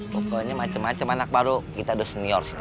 pokoknya macem macem anak baru kita udah senior